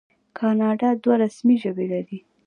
کاناډا دوه رسمي ژبې لري.